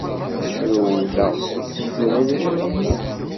Rewleɣ, wwiɣ idrimen-nni.